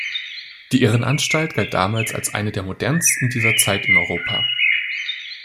Die Irrenanstalt galt damals als eine der modernsten dieser Zeit in Europa.